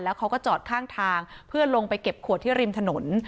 เขาก็จอดข้างทางเพื่อลงไปเก็บขวดที่ริมถนน